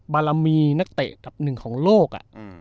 บารมีนักเตะอันดับหนึ่งของโลก